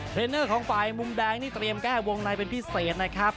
เนอร์ของฝ่ายมุมแดงนี่เตรียมแก้วงในเป็นพิเศษนะครับ